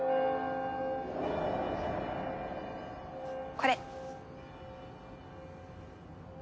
これ。